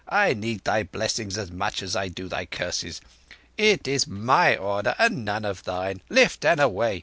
I need thy blessings as much as I do thy curses. It is my order and none of thine. Lift and away!